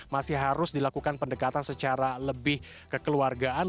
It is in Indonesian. masih harus dilakukan pendekatan secara lebih kekeluargaan